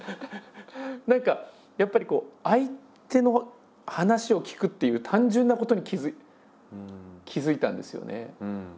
何かやっぱりこう相手の話を聞くっていう単純なことに気付いたんですよね。